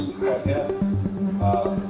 memang selanjutnya memang seperti itu